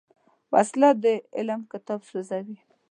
وسله د علم کتاب سوځوي